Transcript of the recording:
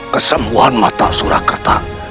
kesemuan mata surakerta